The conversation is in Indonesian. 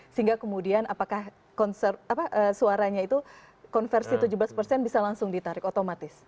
sehingga kemudian apakah suaranya itu konversi tujuh belas persen bisa langsung ditarik otomatis